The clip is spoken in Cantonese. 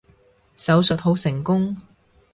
手術好成功